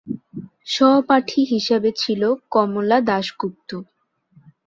সহপাঠী হিসাবে ছিল কমলা দাশগুপ্ত।